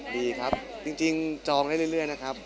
ดีครับจริงจองได้เรื่อยนะครับ